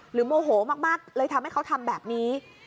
โมโหมากเลยทำให้เขาทำแบบนี้